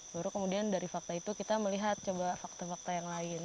baru kemudian dari fakta itu kita melihat coba fakta fakta yang lain